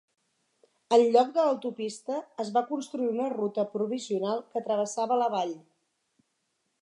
En lloc de l'autopista, es va construir una ruta provisional que travessava la vall.